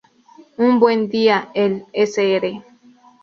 Un buen día, el Sr.